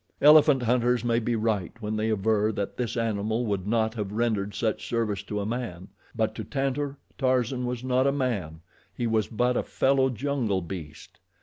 Elephant hunters may be right when they aver that this animal would not have rendered such service to a man, but to Tantor, Tarzan was not a man he was but a fellow jungle beast.